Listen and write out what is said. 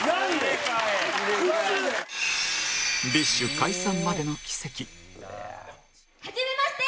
ＢｉＳＨ 解散までの軌跡はじめまして！